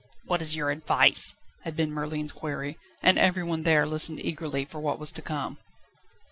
"What is your advice?" had been Merlin's query, and everyone there listened eagerly for what was to come.